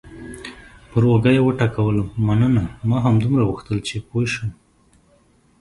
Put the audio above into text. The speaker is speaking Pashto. پر اوږه یې وټکولم: مننه، ما همدومره غوښتل چې پوه شم.